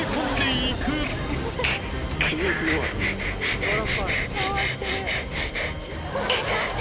やわらかい。